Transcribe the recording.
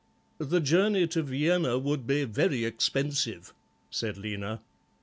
"The journey to Vienna would be very expensive," said Lena.